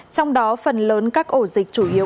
trong đó phần lớn các ổ dịch chủ yếu